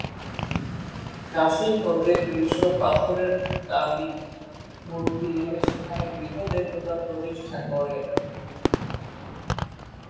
কাশী হতে কৃষ্ণ পাথরের কালী মুর্তি এনে সেখানে গৃহ দেবতা প্রতিষ্ঠা করেন।